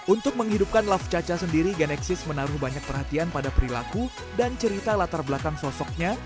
untuk menghidupkan laf caca sendiri genexis menaruh banyak perhatian pada perilaku dan cerita latar belakang sosoknya